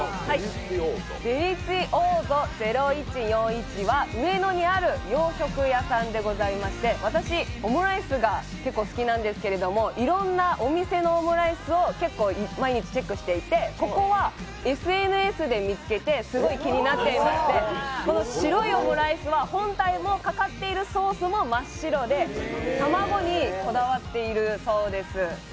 デリツィオーゾ０１４１は上野にある洋食屋さんでして、私オムライスが好きなんですけどいろんなお店のオムライスを毎日チェックしていてここはＳＮＳで見つけてすごい気になっていまして、この白いオムライスは本体もかかっているソースも真っ白で卵にこだわっているそうです。